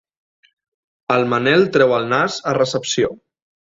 El Manel treu el nas a recepció.